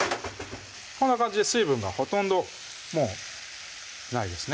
こんな感じで水分がほとんどもうないですね